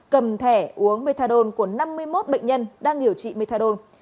cầm thẻ uống methadone của năm mươi một bệnh nhân đang điều trị methadone